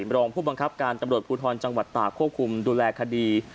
รองผู้บังคับการตำรวจภูทรจังหวัดตากควบคุมดูแลคดี